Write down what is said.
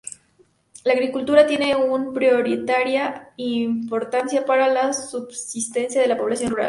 La agricultura tiene un prioritaria importancia para la subsistencia de la población rural.